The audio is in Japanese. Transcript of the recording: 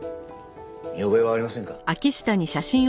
見覚えはありませんか？